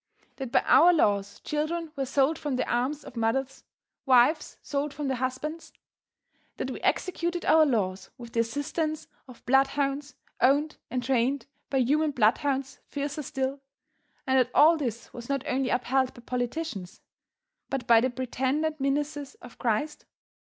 That by our laws children were sold from the arms of mothers, wives sold from their husbands? That we executed our laws with the assistance of bloodhounds, owned and trained by human bloodhounds fiercer still, and that all this was not only upheld by politicians, but by the pretended ministers of Christ?